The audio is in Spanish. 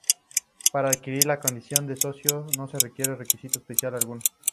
Para adquirir la condición de socio no se requiere requisito especial alguno.